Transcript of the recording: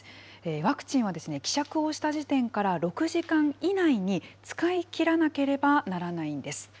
ワクチンは希釈をした時点から６時間以内に使い切らなければならないんです。